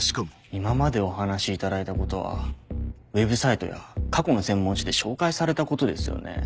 今までお話しいただいたことはウェブサイトや過去の専門誌で紹介されたことですよね？